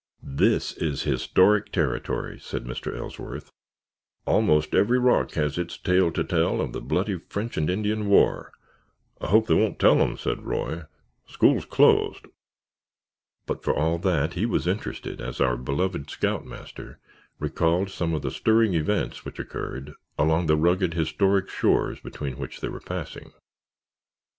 "This is historic territory," said Mr. Ellsworth. "Almost every rock has its tale to tell of the bloody French and Indian War——" "I hope they won't tell them," said Roy. "School's closed." But for all that he was interested as "our beloved scoutmaster" recalled some of the stirring events which occurred along the rugged, historic shores between which they were passing.